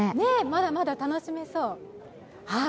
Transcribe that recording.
まだまだ楽しめそう。